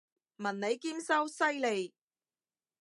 文理兼修，犀利！